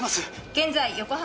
現在横浜